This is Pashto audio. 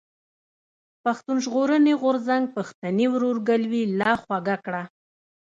پښتون ژغورني غورځنګ پښتني ورورګلوي لا خوږه کړه.